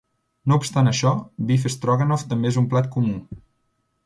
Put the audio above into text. No obstant això, Beef Stroganoff també és un plat comú.